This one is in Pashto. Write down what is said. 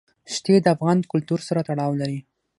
ښتې د افغان کلتور سره تړاو لري.